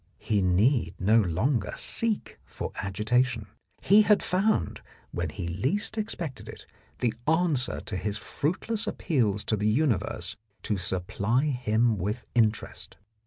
He need no longer seek for agitation. He had found, when he least expected it, the answer to his fruitless appeals to the universe to supply him with interest.